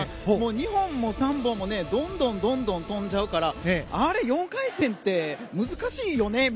もう２本も３本もどんどんどんどん跳んじゃうからあれ、４回転って難しいよね？